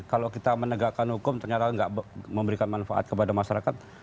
kalau kita menegakkan hukum ternyata tidak memberikan manfaat kepada masyarakat